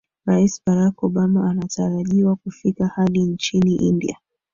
rais barack obama anatarajiwa kufika hadi nchini india